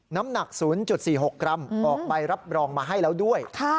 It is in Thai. น้ำหนัก๐๔๖กรัมออกใบรับรองมาให้แล้วด้วย